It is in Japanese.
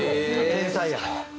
天才や。